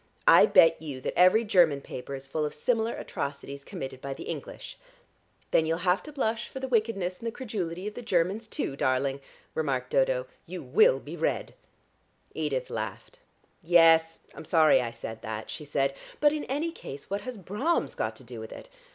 I bet you that every German paper is full of similar atrocities committed by the English." "Then you'll have to blush for the wickedness and the credulity of the Germans too, darling!" remarked Dodo. "You will be red." Edith laughed. "Yes, I'm sorry I said that," she said. "But in any case what has Brahms got to do with it?